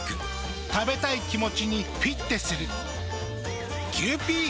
食べたい気持ちにフィッテする。